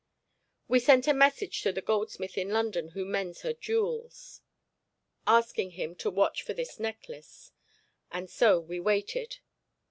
We sent a message to the goldsmith in London who mends her jewels, asking him to watch for this necklace, and so we waited.